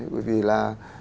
bởi vì là